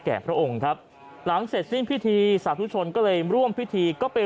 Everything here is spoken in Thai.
พระองค์ครับหลังเสร็จสิ้นพิธีสาธุชนก็เลยร่วมพิธีก็ไป